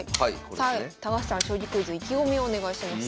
さあ高橋さん「将棋クイズ」意気込みをお願いします。